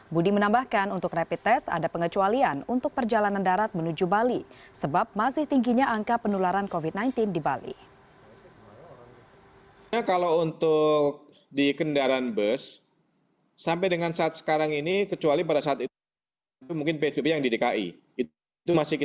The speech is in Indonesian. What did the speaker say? budi menambahkan untuk rapid test ada pengecualian untuk perjalanan darat menuju bali sebab masih tingginya angka penularan covid sembilan belas di bali